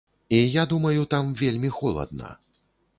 І я думаю, там вельмі холадна.